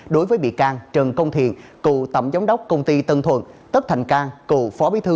đối với bị can trần công thiền cựu tầm giám đốc công ty tân thuận tất thành can cựu phó bí thư